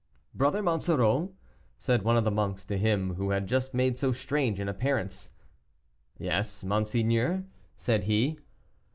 "Brother Monsoreau," said one of the monks to him who had just made so strange an appearance. "Yes, monseigneur," said he.